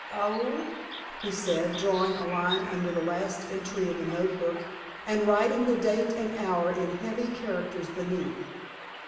"Oh," he said, drawing a line under the last entry in the note book, and writing the date and hour in heavy characters beneath.